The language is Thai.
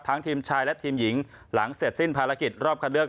ทีมชายและทีมหญิงหลังเสร็จสิ้นภารกิจรอบคันเลือก